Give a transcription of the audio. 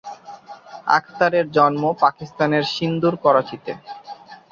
আখতারের জন্ম পাকিস্তানের সিন্ধুর করাচিতে।